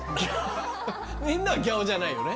みんなはギャ男じゃないよね？